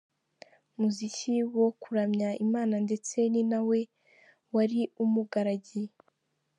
muziki wo kuramya Imana ndetse ni nawe wari umugaragiye